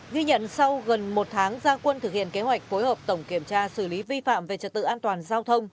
ghi nhận sau gần một tháng gia quân thực hiện kế hoạch phối hợp tổng kiểm tra xử lý vi phạm về trật tự an toàn giao thông